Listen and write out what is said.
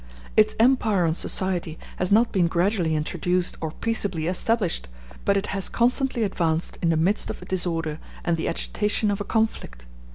Its empire on society has not been gradually introduced or peaceably established, but it has constantly advanced in the midst of disorder and the agitation of a conflict.